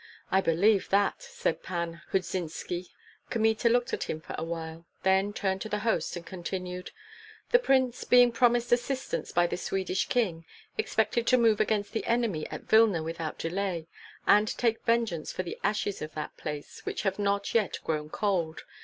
"I believe that!" said Pan Hudzynski. Kmita looked at him for a while, then turned to the host and continued, "The prince, being promised assistance by the Swedish King, expected to move against the enemy at Vilna without delay, and take vengeance for the ashes of that place, which have not yet grown cold.